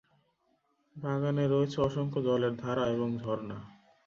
বাগানে রয়েছে অসংখ্য জলের ধারা এবং ঝর্ণা।